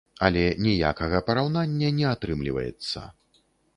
Але ніякага параўнання не атрымліваецца.